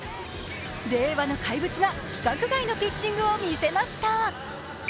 令和の怪物が規格外のピッチングを見せました。